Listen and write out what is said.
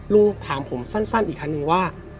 ลูกถามผมสั้นอีกครั้งหนึ่งว่า